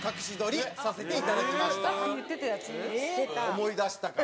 思い出したかな？